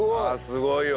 すごいわ。